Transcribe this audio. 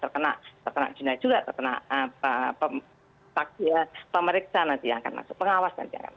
terkena pemeriksa nanti yang akan masuk pengawas nanti yang akan masuk